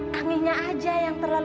kanginya aja yang terlalu